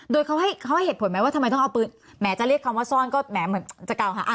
โดยเขาให้เขาให้เหตุผลไหมว่าทำไมต้องเอาปืนแหมจะเรียกคำว่าซ่อนก็แหมเหมือนจะกล่าวหา